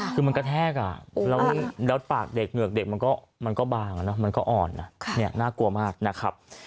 คือมันกระแทกแล้วปากเด็กเหงือกเด็กมันก็บางมันก็อ่อนน่ากลัวมากนะครับ